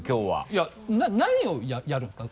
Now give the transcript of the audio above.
いや何をやるんですか？